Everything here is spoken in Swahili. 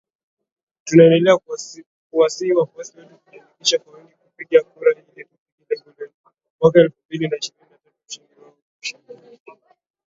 Tunaendelea kuwasihi wafuasi wetu kujiandikisha kwa wingi kupiga kura ili tufikie lengo letu, mwaka elfu mbili na ishirini na tatu ushindi wa kishindo!!